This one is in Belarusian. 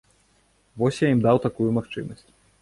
Вось я ім даў такую магчымасць.